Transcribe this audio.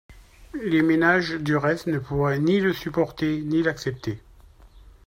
Les ménages, du reste, ne pourraient ni le supporter, ni l’accepter.